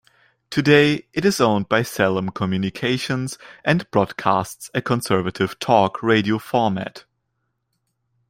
Today, it is owned by Salem Communications and broadcasts a conservative talk radio format.